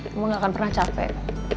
emang gak akan pernah capek